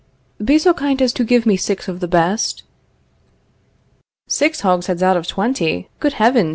Be so kind as to give me six of the best. Six hogsheads out of twenty! Good heavens!